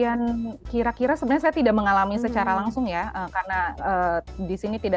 kalau untuk ketinggian kira kira sebenarnya saya tidak mengalami secara langsung ya karena di sini tidak terdapat kondisi yang berbeda